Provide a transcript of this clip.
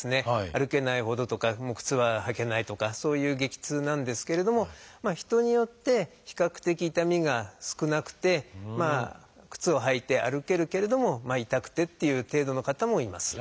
歩けないほどとか靴は履けないとかそういう激痛なんですけれども人によって比較的痛みが少なくてまあ靴を履いて歩けるけれどもまあ痛くてっていう程度の方もいます。